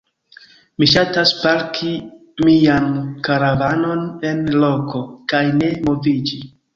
Mi ŝatas parki mian karavanon en loko kaj ne moviĝi.